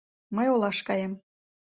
Мый олаш каем.